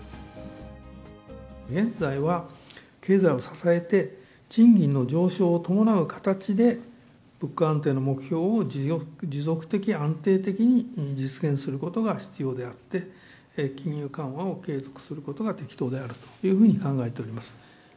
現在は経済を支えて、賃金の上昇を伴う形で、物価安定の目標を持続的に安定的に実現することが必要であって、金融緩和を継続することが適当であるというふうに考えております。